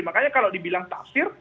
makanya kalau dibilang tafsir